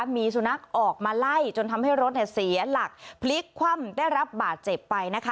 มีสุนัขออกมาไล่จนทำให้รถเสียหลักพลิกคว่ำได้รับบาดเจ็บไปนะคะ